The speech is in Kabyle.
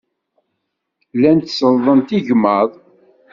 Llant sellḍent igmaḍ.